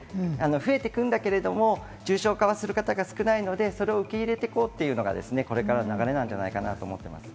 増えてくるんだけども、重症化する方が少ないので、それを受け入れて行こうっていうのは、これからの流れなんじゃないかなと思います。